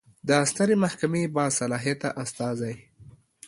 د سترې محکمې باصلاحیته استازی